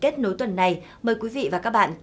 thưa quý vị và các bạn